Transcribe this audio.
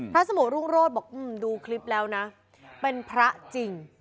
พระสมบูรณ์รุ้งโรศบอกอืมดูคลิปแล้วนะเป็นพระจริง